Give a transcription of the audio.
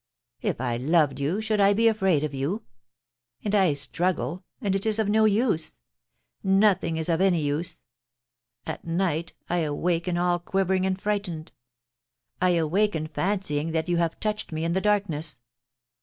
If I loved you should I be afraid of you ?... And I struggle, and it is of no use ; nothing is of any use. ... At night, I awaken all quivering and frightened I awaken fancying that you have touched me in the darkness.